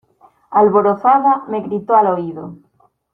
alborozada me gritó al oído: